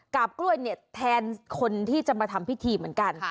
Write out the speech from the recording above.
กล้วยเนี่ยแทนคนที่จะมาทำพิธีเหมือนกัน